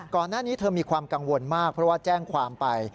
ก่อนหน้านี้เธอมีความกังวลมากเพราะว่าแจ้งความไป